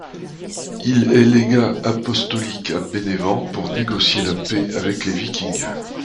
Il est légat apostolique à Bénévent pour négocier la paix avec les vikings.